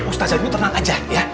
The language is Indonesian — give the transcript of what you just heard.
ustadz zanuyuy tenang aja ya